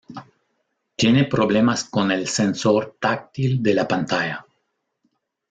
Tiene problemas con el sensor táctil de la pantalla.